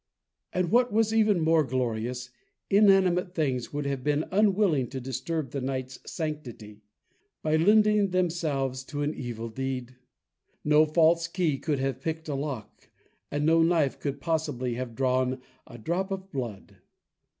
And what was even more glorious, inanimate things would have been unwilling to disturb the night's sanctity, by lending themselves to an evil deed. No false key could have picked a lock, and no knife could possibly have drawn a drop of blood.